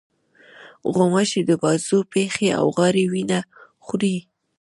غوماشې د بازو، پښې، او غاړې وینه خوري.